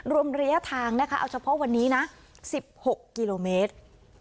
รวมระยะทางนะคะเอาเฉพาะวันนี้นะ๑๖กิโลเมตร